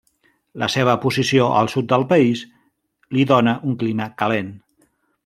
La seva posició al sud del país, li dóna un clima calent.